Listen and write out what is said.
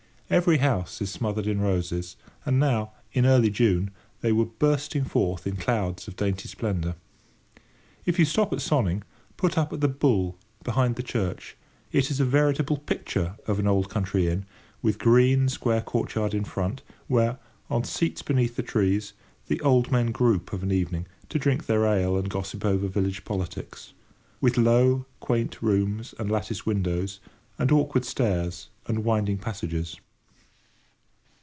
Every house is smothered in roses, and now, in early June, they were bursting forth in clouds of dainty splendour. If you stop at Sonning, put up at the "Bull," behind the church. It is a veritable picture of an old country inn, with green, square courtyard in front, where, on seats beneath the trees, the old men group of an evening to drink their ale and gossip over village politics; with low, quaint rooms and latticed windows, and awkward stairs and winding passages.